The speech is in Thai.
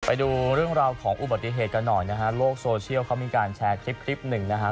ไปดูเรื่องราวของอุบัติเหตุกันหน่อยนะฮะโลกโซเชียลเขามีการแชร์คลิปคลิปหนึ่งนะฮะ